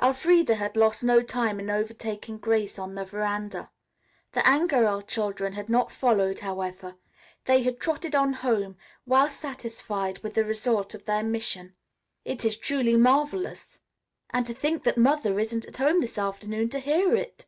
Elfreda had lost no time in overtaking Grace on the veranda. The Angerell children had not followed, however. They had trotted on home, well satisfied with the result of their mission. "It is truly marvelous. And to think that Mother isn't at home this afternoon to hear it.